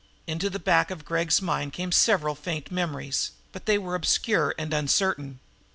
Into the back of Gregg's mind came several faint memories, but they were obscure and uncertain.